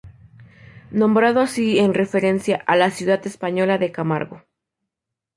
Nombrado así en referencia a la ciudad española de Camargo.